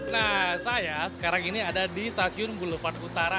nah saya sekarang ini ada di stasiun bulevan utara